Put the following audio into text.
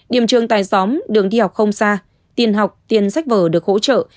điểm trường tài xóm đường đi học không xa tiền học tiền sách vở được hỗ trợ